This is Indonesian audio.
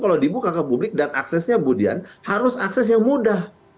kalau dibuka ke publik dan aksesnya budian harus akses yang mudah